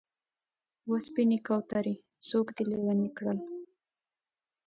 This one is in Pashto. و سپینې کوترې! څوک دې لېونی کړل؟